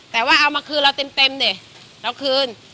แต่ว่าเอามาคืนเราเต็มดิเราคืน